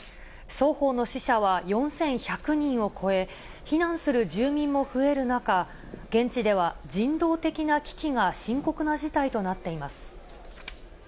双方の死者は４１００人を超え、避難する住民も増える中、現地では人道的な危機が深刻な事態となっています。